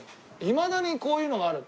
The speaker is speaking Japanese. いまだにこういうのがある。